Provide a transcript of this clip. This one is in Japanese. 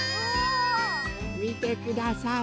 みてください。